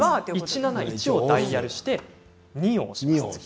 １７１をダイヤルして２を押します。